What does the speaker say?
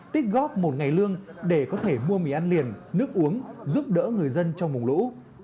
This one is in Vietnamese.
tích góp một ngày lương để có thể mua mì ăn liền nước uống giúp đỡ người dân trong vùng lũ